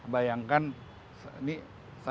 tapi merevisi accounting kan masih masih mudah